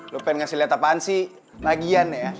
lo pengen ngasih liat apaan sih lagian ya